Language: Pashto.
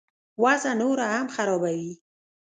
وضع نوره هم خرابوي.